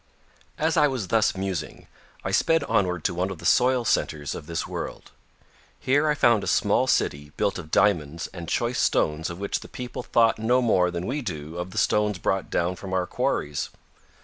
As I was thus musing I sped onward to one of the soil centers of this world. Here I found a small city built of diamonds and choice stones of which the people thought no more than we do of the stones brought down from our quarries.